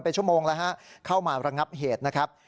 เป็นชั่วโมงแล้วฮะเข้ามาระงับเหตุนะครับ